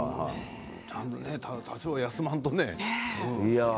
多少、休まんとね。